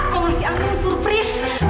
mau ngasih anu surprise